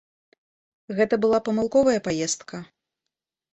Гэта была памылковая паездка?